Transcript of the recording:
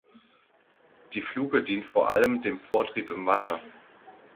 Die Fluke dient vor allem dem Vortrieb im Wasser.